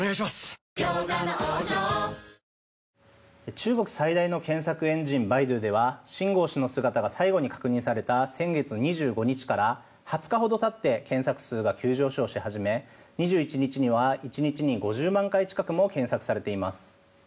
中国最大の検索エンジンバイドゥではシン・ゴウ氏の姿が最後に確認された先月２５日から２０日ほど経って検索数が急上昇し始め２１日には１日に５０万回近くも検索されています。